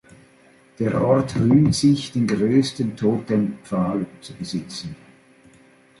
Der Ort rühmt sich, den größten Totempfahl zu besitzen.